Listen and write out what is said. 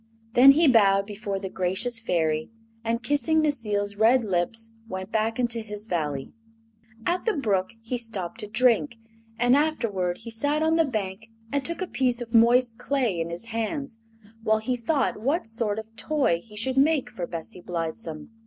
Then he bowed before the gracious Fairy and, kissing Necile's red lips, went back into his Valley. At the brook he stopped to drink, and afterward he sat on the bank and took a piece of moist clay in his hands while he thought what sort of toy he should make for Bessie Blithesome.